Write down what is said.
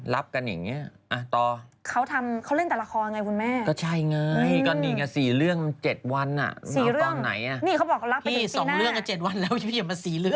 แล้วก็กำลังสืบหากันต่อไป